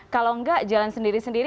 kalau enggak jalan sendiri sendiri